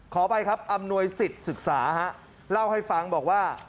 ต่อไปครับอำนวยสินศึกษาเล่าให้ฟังบอกว่า